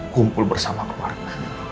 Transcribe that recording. kumpul bersama keluarga